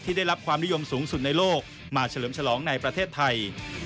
ได้รับความนิยมสูงสุดในโลกมาเฉลิมฉลองในประเทศไทย